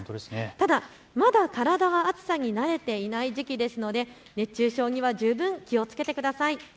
ただ、まだ体は暑さに慣れていない時期ですので熱中症には十分気をつけてください。